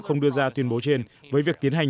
không đưa ra tuyên bố trên với việc tiến hành